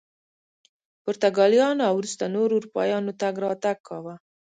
پرتګالیانو او وروسته نورو اروپایانو تګ راتګ کاوه.